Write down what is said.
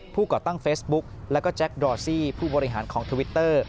ก่อตั้งเฟซบุ๊กแล้วก็แจ็คดรอซี่ผู้บริหารของทวิตเตอร์